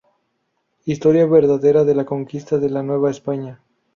Historia Verdadera de la Conquista de la Nueva España.